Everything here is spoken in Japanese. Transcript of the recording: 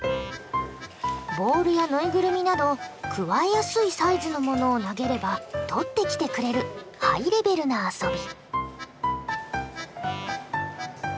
ボールや縫いぐるみなどくわえやすいサイズのものを投げれば取ってきてくれるハイレベルな遊び。